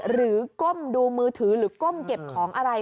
ก้มดูมือถือหรือก้มเก็บของอะไร